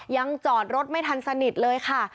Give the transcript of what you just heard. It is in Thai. จอดรถไม่ทันสนิทเลยค่ะ